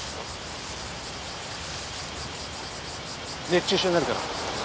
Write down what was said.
熱中症になるから。